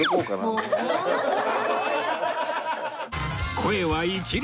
声は一流！